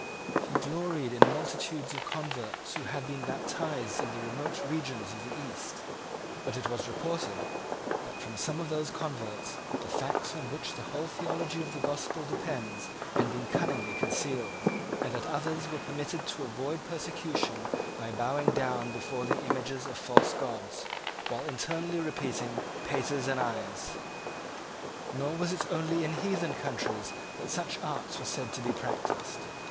He gloried in multitudes of converts who had been baptized in the remote regions of the East: but it was reported that from some of those converts the facts on which the whole theology of the Gospel depends had been cunningly concealed, and that others were permitted to avoid persecution by bowing down before the images of false gods, while internally repeating Paters and Ayes. Nor was it only in heathen countries that such arts were said to be practised.